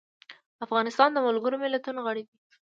افغانستان د ملګرو ملتونو غړی دی.